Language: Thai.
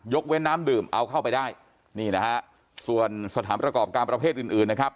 เว้นน้ำดื่มเอาเข้าไปได้นี่นะฮะส่วนสถานประกอบการประเภทอื่นอื่นนะครับ